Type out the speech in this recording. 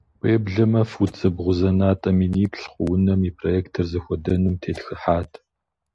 Уеблэмэ фут зэбгъузэнатӏэ миниплӏ хъу унэм и проектыр зыхуэдэнум тетхыхьат.